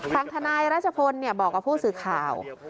ทางทนายรัชพลบอกกับผู้สื่อข่าว